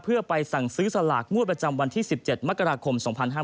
เพื่อไปสั่งซื้อสลากงวดประจำวันที่๑๗มกราคม๒๕๕๙